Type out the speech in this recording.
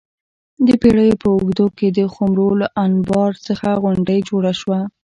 د پېړیو په اوږدو کې د خُمرو له انبار څخه غونډۍ جوړه شوه